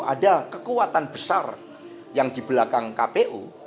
ada kekuatan besar yang di belakang kpu